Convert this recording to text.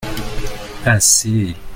assez.